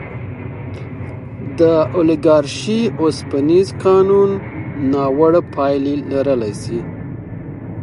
د اولیګارشۍ اوسپنیز قانون ناوړه پایلې لرلی شي.